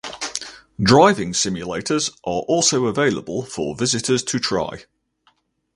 Driving simulators are also available for visitors to try.